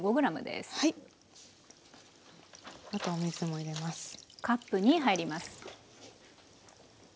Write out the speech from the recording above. あとお水も入れます。